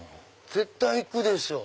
絶対行くでしょ。